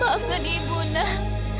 maafkan ibu nak